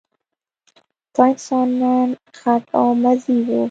دا انسانان غټ او مزي وو.